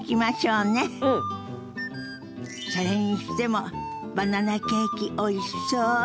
それにしてもバナナケーキおいしそう。